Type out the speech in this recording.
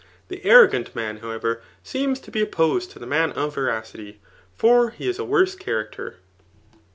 The arrqg^t man, however, seeoifi to be opposed to the mai) fii veracity } for he isa worse character.